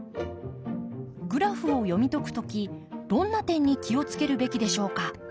グラフを読み解く時どんな点に気を付けるべきでしょうか？